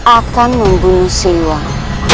akan membunuh siluang